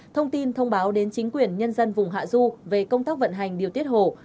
thông tin thông báo đến chính quyền nhân dân vùng hạ du về công tác vận hành điều tiết hồ